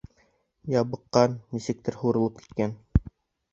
Ябыҡҡан, нисектер һурылып киткән.